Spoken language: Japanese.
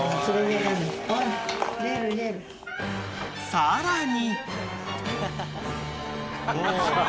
［さらに］